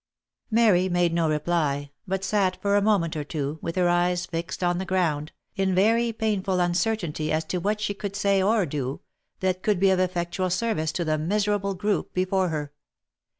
Mary made no reply, but sat for a moment or two, with her eyes fixed on the ground, in very painful uncertainty as to what she could say or do, that could be of effectual service to the miserable group before her.